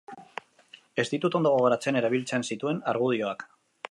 Ez ditut ondo gogoratzen erabiltzen zituen argudioak.